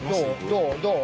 どう？